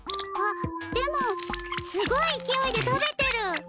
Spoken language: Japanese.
あっでもすごいいきおいで食べてる。